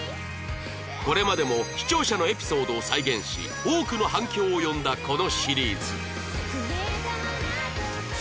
これまでも視聴者のエピソードを再現し多くの反響を呼んだこのシリーズ